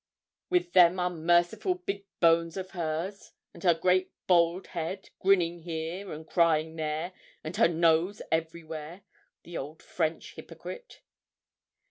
with them unmerciful big bones of hers, and her great bald head, grinning here, and crying there, and her nose everywhere. The old French hypocrite!'